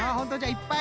いっぱい。